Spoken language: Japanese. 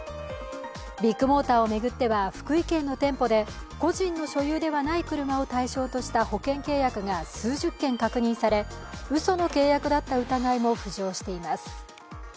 ビッグモーターを巡っては、福井県の店舗で個人の所有ではない車を対象とした保険契約が数十件確認されうその契約だった疑いも浮上しています。